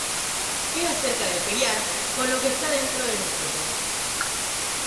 Es acerca de pelear con lo que esta dentro de nosotros.